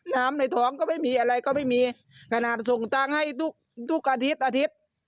ในท้องก็ไม่มีอะไรก็ไม่มีขนาดส่งตังค์ให้ทุกอาทิตย์อาทิตย์